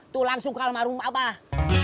tuh langsung ke almarhum apa